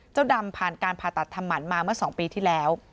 ดำผ่านการผ่าตัดทำหมันมาเมื่อ๒ปีที่แล้ว